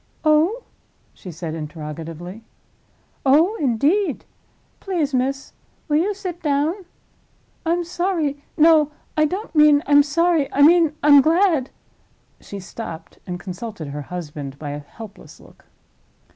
"Oh?" she said, interrogatively. "Oh, indeed? Please, miss, will you sit down? I'm sorry—no, I don't mean I'm sorry; I mean I'm glad—" she stopped, and consulted her husband by a helpless look.